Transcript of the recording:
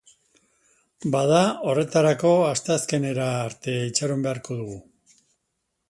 Bada, horretarako asteazkenera arte itxaron beharko dugu.